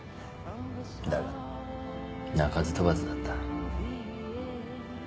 だが鳴かず飛ばずだった。